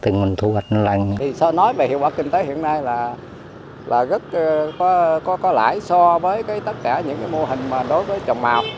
nói về hiệu quả kinh tế hiện nay là rất có lãi so với tất cả những mô hình đối với trồng màu